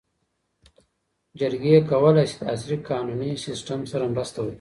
جرګې کولی سي د عصري قانوني سیسټم سره مرسته وکړي.